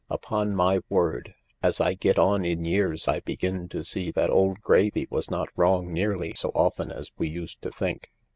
Upon my word, as I get on in years I begin to see that old Gravy was not wrong nearly so often as we used to think.